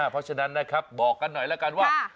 เพราะฉะนั้นนะครับบอกกันหน่อยแล้วกันว่า